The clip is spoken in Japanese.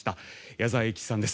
矢沢永吉さんです。